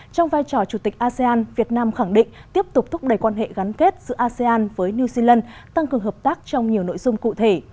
trong vai trò chủ tịch asean việt nam khẳng định tiếp tục thúc đẩy quan hệ gắn kết giữa asean với new zealand tăng cường hợp tác trong nhiều nội dung cụ thể